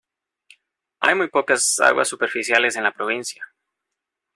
Hay muy pocas aguas superficiales en la provincia.